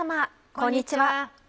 こんにちは。